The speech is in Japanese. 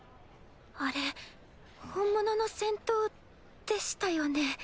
あれ本物の戦闘でしたよね。